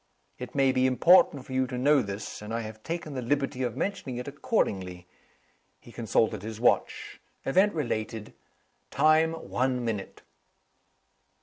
It may be important for you to know this; and I have taken the liberty of mentioning it accordingly." He consulted his watch. "Event related. Time, one minute."